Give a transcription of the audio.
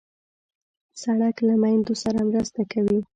سړک له میندو سره مرسته کوي.